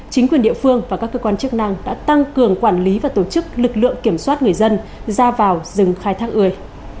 chính quyền địa phương và các cơ quan chức năng đã tăng cường quản lý và tổ chức lực lượng kiểm soát người dân ra vào rừng khai thác ươi